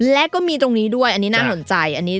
และก็มีตรงนี้ด้วยอันนี้น่าสนใจอันนี้